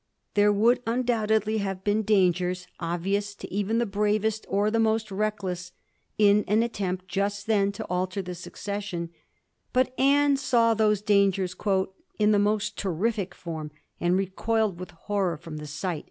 There would undoubtedly have been dangers, obvious to even the bravest or the most reckless, in an attempt just then to alter the succession, but Anne saw those dangers ^ in the most terrific form and recoiled with horror jfrom the sight.'